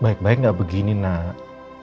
baik baik nggak begini nak